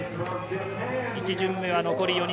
１巡目は残り４人。